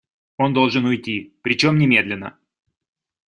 Он должен уйти, причем немедленно.